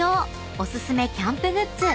おすすめキャンプグッズ